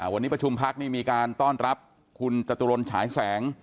วันนี้ประชุมพักนี่มีการต้อนรับคุณจตุรนฉายแสง